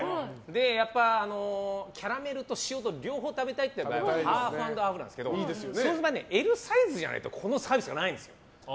やっぱり、キャラメルと塩と両方食べたいというのでハーフ＆ハーフなんですけどそれはＬサイズじゃないとこのサイズがないんですよ。